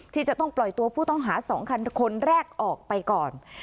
ที่จะต้องปล่อยตัวผู้ต้องหา๒คันคนแรกออกไปก่อน